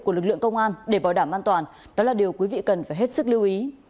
của lực lượng công an để bảo đảm an toàn đó là điều quý vị cần phải hết sức lưu ý